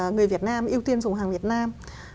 người việt nam ưu tiên dùng hàng việt nam